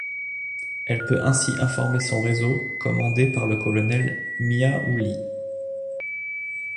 Elle peut ainsi informer son réseau commandé par le colonel Miaoulis.